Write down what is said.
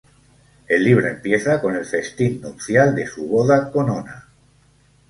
El libro empieza con el festín nupcial de su boda con Ona.